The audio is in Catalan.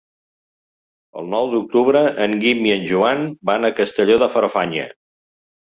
El nou d'octubre en Guim i en Joan van a Castelló de Farfanya.